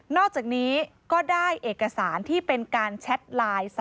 อกจากนี้ก็ได้เอกสารที่เป็นการแชทไลน์